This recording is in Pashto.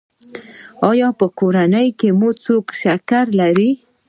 ایا په کورنۍ کې مو څوک شکر لري؟